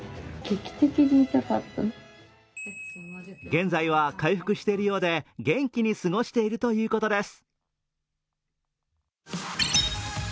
現在は回復しているようで元気に過ごしているということです。